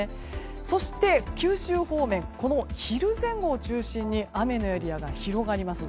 そして、九州方面は昼前後を中心に雨のエリアが広がります。